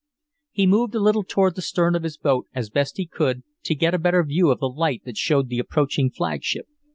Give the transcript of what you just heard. He moved a little toward the stern of his boat, as best he could, to get a better view of the light that showed the approaching flagship.